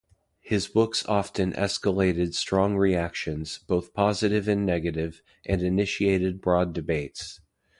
His books often escalated strong reactions, both positive and negative and initiated broad debates.